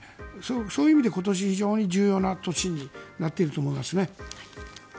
そういう意味で今年、非常に重要な年になってくると思いますね。